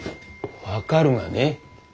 分かるがね。